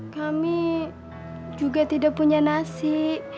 kami juga tidak punya nasi